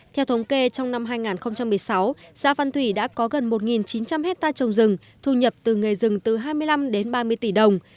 theo thống kê trong năm hai nghìn một mươi sáu xã văn thủy đã có gần một chín trăm linh hectare trồng rừng thu nhập từ nghề rừng từ hai mươi năm đến ba mươi tỷ đồng